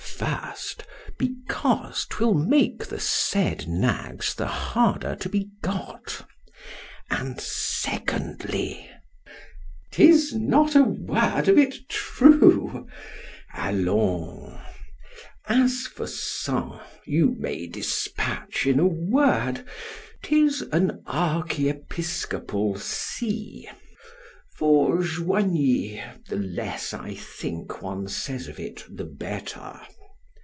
First, Because 'twill make the said nags the harder to be got; and Secondly, 'Tis not a word of it true.——Allons! As for SENS——you may dispatch—in a word——"'Tis an archiepiscopal see." ——For JOIGNY—the less, I think, one says of it the better.